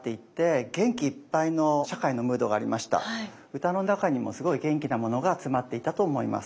歌の中にもすごい元気なものが集まっていたと思います。